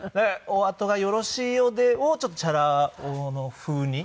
「お後がよろしいようで」をちょっとチャラ男の風に。